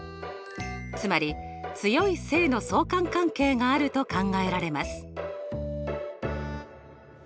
つまり強い正の相関関係があると考えられます。